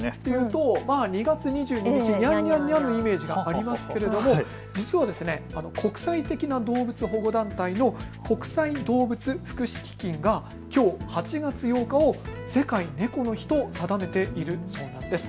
２月２２日、にゃんにゃんにゃんのイメージがありますけれども実は国際的な動物保護団体の国際動物福祉基金がきょう８月８日を世界猫の日と定めているそうです。